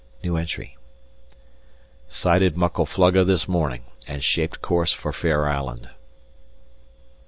Sighted Muckle Flugga this morning, and shaped course for Fair Island.